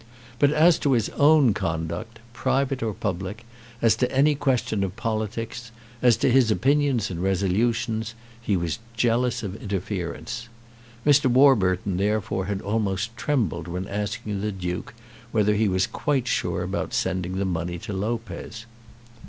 But as to his own conduct, private or public, as to any question of politics, as to his opinions and resolutions, he was jealous of interference. Mr. Warburton therefore had almost trembled when asking the Duke whether he was quite sure about sending the money to Lopez.